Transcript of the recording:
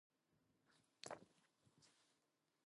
A Caucon priest Methapus had done much the same at Thebes.